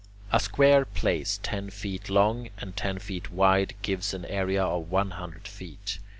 A square place ten feet long and ten feet wide gives an area of one hundred feet.